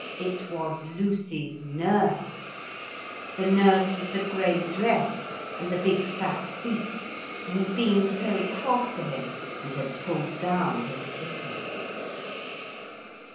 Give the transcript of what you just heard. It was Lucy's nurse, the nurse with the grey dress and the big fat feet, who had been so cross to him and had pulled down his city.